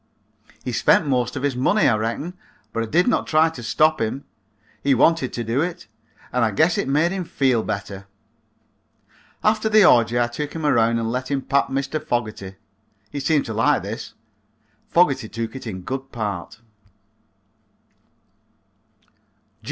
He spent most of his money, I reckon, but I did not try to stop him. He wanted to do it and I guess it made him feel better. After the orgy I took him around and let him pat Mr. Fogerty. He seemed to like this. Fogerty took it in good part.